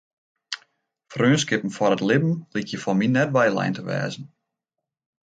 Freonskippen foar it libben lykje foar my net weilein te wêze.